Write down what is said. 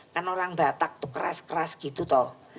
kan orang batak tuh keras keras gitu toh